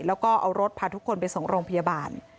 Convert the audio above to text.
แล้วก็เอารถพาทุกคนไปส่งโรงพยาบาล